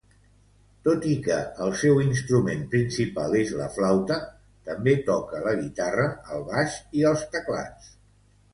Tot i que el seu instrument principal és la flauta, també toca la guitarra, el baix i els teclats.